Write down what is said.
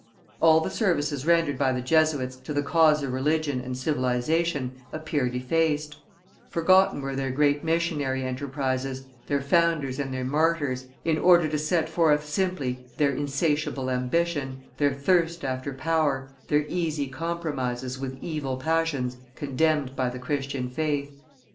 All the services rendered by the Jesuits to the cause of religion and civilization appeared effaced; forgotten were their great missionary enterprises, their founders and their martyrs, in order to set forth simply their insatiable ambition, their thirst after power, their easy compromises with evil passions condemned by the Christian faith.